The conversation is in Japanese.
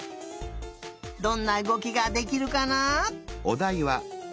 どんなうごきができるかな？